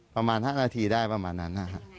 ประมาณ๕นาทีได้ประมาณนั้น